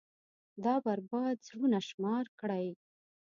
دا بـربـاد زړونه شمار كړئ.